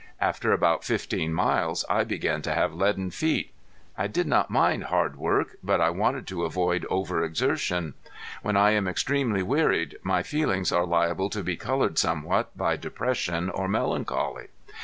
After about fifteen miles I began to have leaden feet. I did not mind hard work, but I wanted to avoid over exertion. When I am extremely wearied my feelings are liable to be colored somewhat by depression or melancholy.